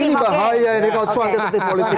ini bahaya ini kalau cuantitatif politik